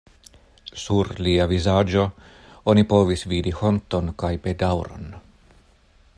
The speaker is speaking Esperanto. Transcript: Sur lia vizaĝo oni povis vidi honton kaj bedaŭron.